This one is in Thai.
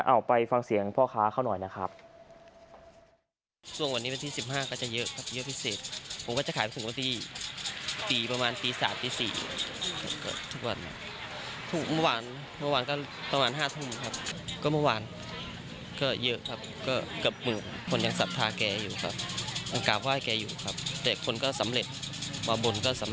เอาไปฟังเสียงพ่อค้าเขาหน่อยนะครับ